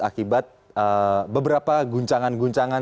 akibat beberapa guncangan guncangan